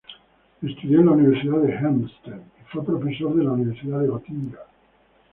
Estudió en la Universidad de Helmstedt, y fue profesor de la Universidad de Gotinga.